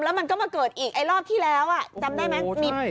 แล้วมันก็มาเกิดอีกไอ้รอบที่แล้วจำได้ไหม